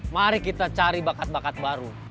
mari kita cari bakat bakat baru